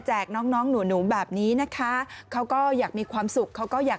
แจกน้องหนูแบบนี้นะคะเขาก็อยากมีความสุข